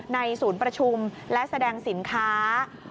ศูนย์ประชุมและแสดงสินค้า